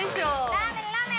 ラーメンラーメン！